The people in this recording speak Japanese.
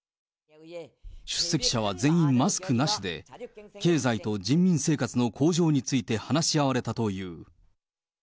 出席者は全員マスクなしで、経済と人民生活の向上について話し合われたという。